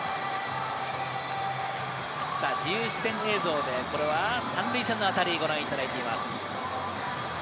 自由視点映像で、これは３塁線の当たり、ご覧いただいています。